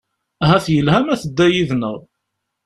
Ahat yelha ma tedda yid-nneɣ.